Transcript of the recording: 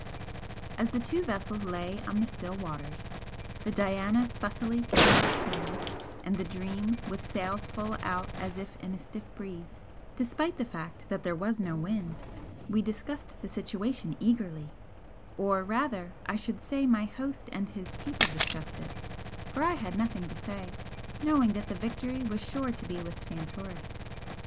As the two vessels lay on the still waters, the 'Diana' fussily getting up steam, and the 'Dream' with sails full out as if in a stiff breeze, despite the fact that there was no wind, we discussed the situation eagerly or rather I should say my host and his people discussed it, for I had nothing to say, knowing that the victory was sure to be with Santoris.